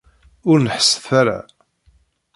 Ur neḥḥset ara!